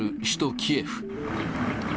首都キエフ。